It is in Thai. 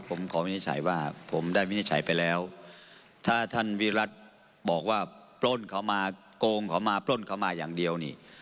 ผมขอวินิจฉัยว่าผมได้วินิจฉัยไปแล้วถ้าท่านวิรัติบอกว่าปล้นเขามาโกงเขามาปล้นเขามาอย่างเดียวนี่